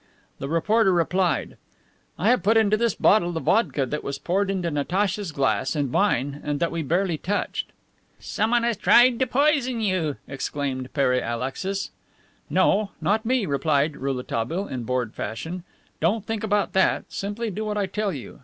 The reporter replied, "I have put into this bottle the vodka that was poured into Natacha's glass and mine and that we barely touched." "Someone has tried to poison you!" exclaimed Pere Alexis. "No, not me," replied Rouletabille, in bored fashion. "Don't think about that. Simply do what I tell you.